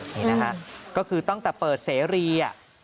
นี่นะฮะก็คือตั้งแต่เปิดเสรี